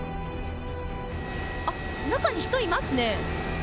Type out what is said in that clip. あっ、中に人いますね。